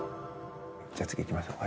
じゃあ次行きましょう。